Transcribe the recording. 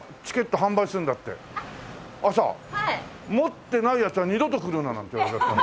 持ってないやつは二度と来るななんて言われちゃったの。